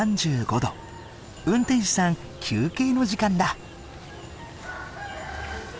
運転手さん休憩の時間だ。